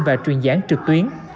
và truyền giảng trực tuyến